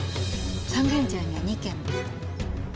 三軒茶屋には２軒も。